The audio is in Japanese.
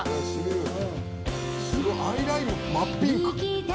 アイライン真っピンク。